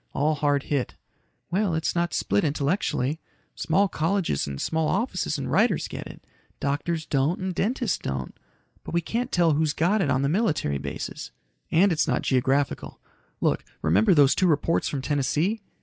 All hard hit." "Well, it's not split intellectually. Small colleges and small offices and writers get it. Doctors don't and dentists don't. But we can't tell who's got it on the military bases." "And it's not geographical. Look, remember those two reports from Tennessee?